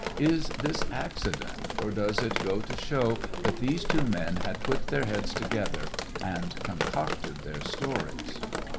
Is this accident, or does it go to show that these two men had put their heads together and concocted their stories